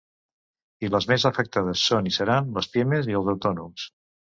I les més afectades són i seran les pimes i els autònoms.